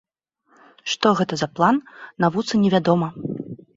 Што гэта за план, навуцы не вядома.